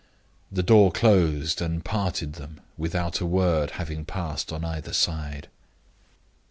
The door closed and parted them, without a word having passed on either side.